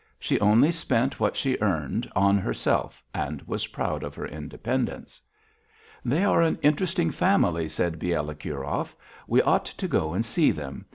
She only spent what she earned on herself and was proud of her independence. "They are an interesting family," said Bielokurov. "We ought to go and see them.